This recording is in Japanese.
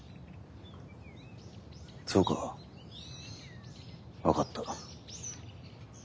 そうか分かった。